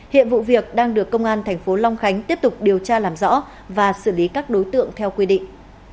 hiện vụ việc đang được công an thành phố long khánh tiếp tục điều tra làm rõ và xử lý các đối tượng theo quy định